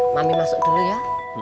mami masuk dulu ya